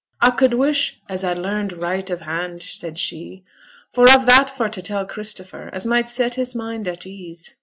'A could wish as a'd learned write of hand,' said she; 'for a've that for to tell Christopher as might set his mind at ease.